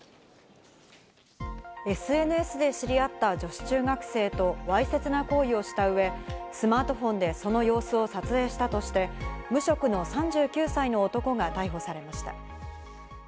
ＳＮＳで知り合った女子中学生とわいせつな行為をしたうえ、スマートフォンでその様子を撮影したとして、無職の３９歳の男が逮捕されました。